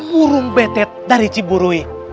burung betet dari ciburui